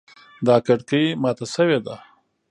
دا کړکۍ ماته شوې ده